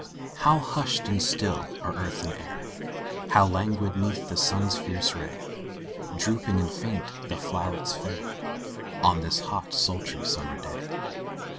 How hushed and still are earth and air, How languid 'neath the sun's fierce ray Drooping and faint the flowrets fair, On this hot, sultry, summer day!